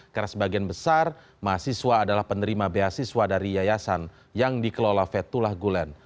karena sebagian besar mahasiswa adalah penerima beasiswa dari yayasan yang dikelola fethullah gulen